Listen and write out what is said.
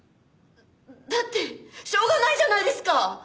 だってしょうがないじゃないですか！